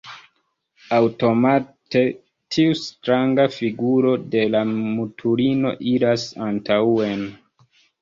Aŭtomate tiu stranga figuro de la mutulino iras antaŭen.